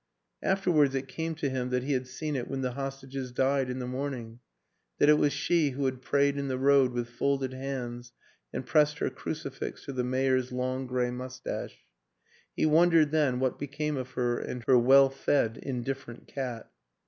Afterwards it came to him that he had seen it when the hostages died in the morning, that it was she who had prayed in the road with folded hands and pressed her crucifix to the mayor's long gray mustache. He wondered, then, what became of her and her well fed indif ferent cat.